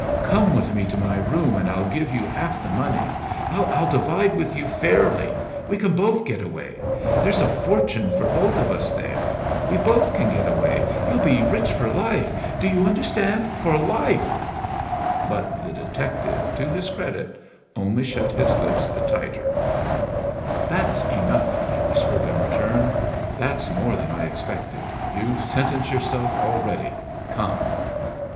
Come with me to my room and I'll give you half the money. I'll divide with you fairly. We can both get away. There's a fortune for both of us there. We both can get away. You'll be rich for life. Do you understand for life!" But the detective, to his credit, only shut his lips the tighter. "That's enough," he whispered, in return. "That's more than I expected. You've sentenced yourself already. Come!" [Illustration: "For God's sake," Hade begged, "let me go."